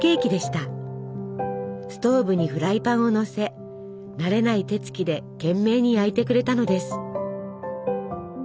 ストーブにフライパンをのせ慣れない手つきで懸命に焼いてくれたのです。